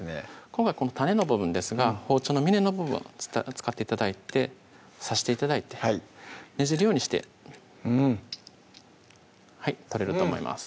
今回この種の部分ですが包丁の峰の部分使って頂いて刺して頂いてねじるようにしてうんはい取れると思います